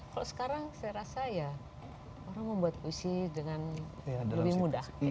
kalau sekarang saya rasa ya orang membuat puisi dengan lebih mudah